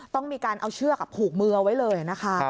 ต้องมีการเอาเชือกผูกมือเอาไว้เลยนะคะ